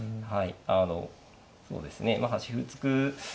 あのそうですねまあ端歩突く。